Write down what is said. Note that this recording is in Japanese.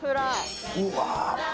うわ